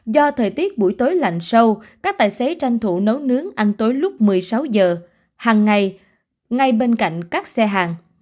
do thời tiết buổi tối lạnh sâu các tài xế tranh thủ nấu nướng ăn tối lúc một mươi sáu giờ hằng ngày ngay bên cạnh các xe hàng